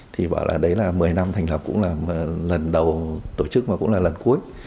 thì bảo là đấy là một mươi năm thành lập cũng là lần đầu tổ chức mà cũng là lần cuối